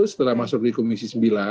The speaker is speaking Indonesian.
setelah masuk di komisi sembilan